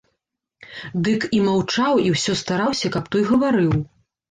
Дык і маўчаў і ўсё стараўся, каб той гаварыў.